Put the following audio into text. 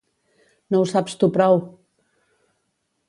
No ho saps tu prou!